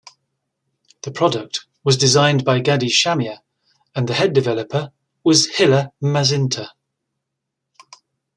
The product was designed by Gadi Shamia and the head developer was Hilla Mazinter.